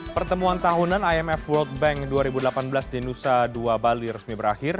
pertemuan tahunan imf world bank dua ribu delapan belas di nusa dua bali resmi berakhir